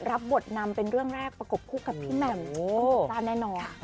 รับบทนำเป็นเรื่องแรกประกบคู่กับพี่แหม่มต้องจัดจ้านแน่นอน